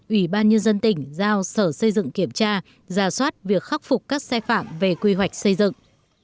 ủy ban nhân dân tỉnh giao sở xây dựng kiểm tra giả soát việc khắc phục các sai phạm về quy hoạch xây dựng